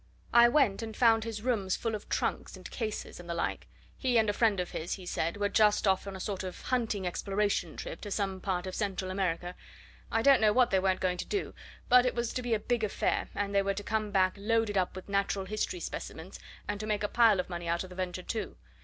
I went, and found his rooms full of trunks, and cases, and the like he and a friend of his, he said, were just off on a sort of hunting exploration trip to some part of Central America; I don't know what they weren't going to do, but it was to be a big affair, and they were to come back loaded up with natural history specimens and to make a pile of money out of the venture, too.